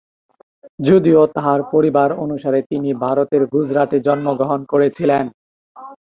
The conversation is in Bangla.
যদিও তার পরিবার অনুসারে তিনি ভারতের গুজরাটে জন্মগ্রহণ করেছিলেন।